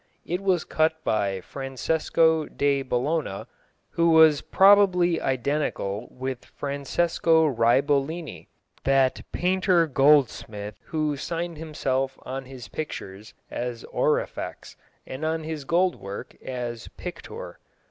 It was cut by Francesco de Bologna, who was probably identical with Francesco Raibolini, that painter goldsmith who signed himself on his pictures as Aurifex, and on his gold work as Pictor.